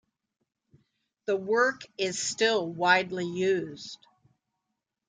The work is still widely used.